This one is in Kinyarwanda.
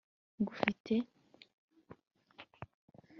ngufite